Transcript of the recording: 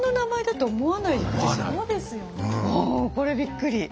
ああこれびっくり。